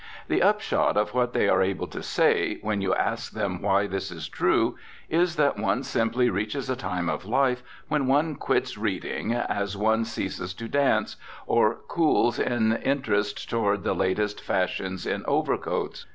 The upshot of what they are able to say, when you ask them why this is true, is that one simply reaches a time of life when one "quits reading," as one ceases to dance, or cools in interest toward the latest fashions in overcoats.